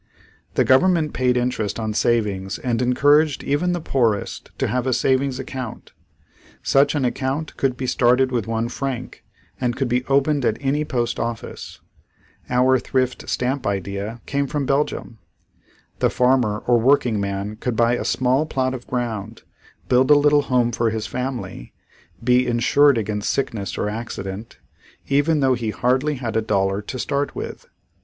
The government paid interest on savings and encouraged even the poorest to have a savings account. Such an account could be started with one franc and could be opened at any post office. Our thrift stamp idea came from Belgium. The farmer or working man could buy a small plot of ground, build a little home for his family, be insured against sickness or accident, even though he hardly had a dollar to start with.